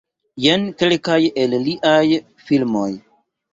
Jen kelkaj el liaj filmoj.